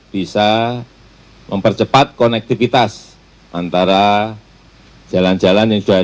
bisa mempercepat konektivitas antara jalan jalan yang sudah